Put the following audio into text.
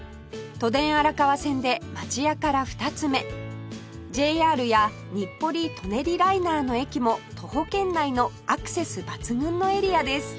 都電荒川線で町屋から２つ目 ＪＲ や日暮里・舎人ライナーの駅も徒歩圏内のアクセス抜群のエリアです